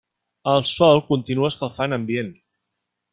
El sol continua escalfant ambient.